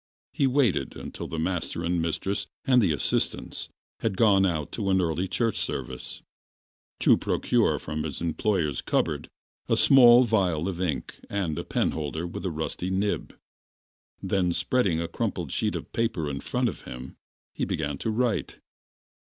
He waited till the master and mistress and the assistants had gone out to an early church service, to procure from his employer's cupboard a small phial of ink and a penholder with a rusty nib; then, spreading a crumpled sheet of paper in front of him, he began to write.